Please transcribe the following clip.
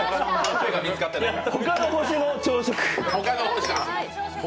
「他の星の朝食」！